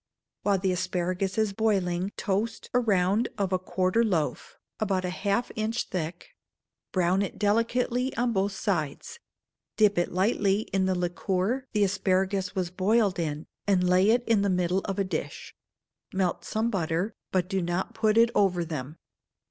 While the asparagus is boiling, toast a round of a a quartern loaf, about half an inch thick; brown it delicately on both sides; dip it lightly in the liquor the asparagus was boiled in, and lay it in the middle of a dish; melt some butter, but do not put it over them.